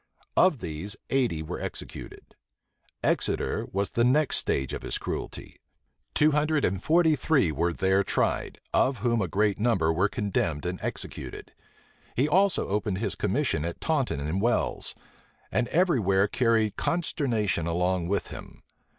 Of these, eighty were executed. Exeter was the next stage of his cruelty: two hundred and forty three were there tried, of whom a great number were condemned and executed. He also opened his commission at Taunton and Wells; and every where carried consternation along with him.